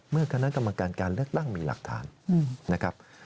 เมื่อคณะกรรมการการเลือกตั้งมีหลักฐานนะครับ